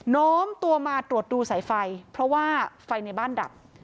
้อมตัวมาตรวจดูสายไฟเพราะว่าไฟในบ้านดับ